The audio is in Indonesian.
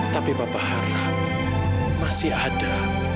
tapi bapak harap masih ada